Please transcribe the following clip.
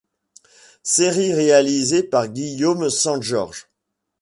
Série réalisée par Guillaume Sanjorge.